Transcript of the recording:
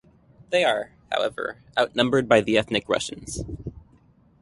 They are, however, outnumbered by the ethnic Russians.